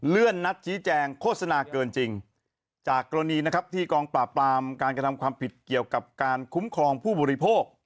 นัดชี้แจงโฆษณาเกินจริงจากกรณีนะครับที่กองปราบปรามการกระทำความผิดเกี่ยวกับการคุ้มครองผู้บริโภค